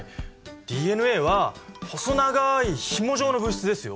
ＤＮＡは細長いひも状の物質ですよ！